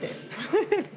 フフフッ。